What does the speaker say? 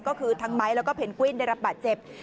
ก็คือทั้งไม้แล้วก็เพนกวินได้รับบาดเจ็บ